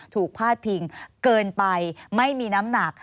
พาดพิงเกินไปไม่มีน้ำหนัก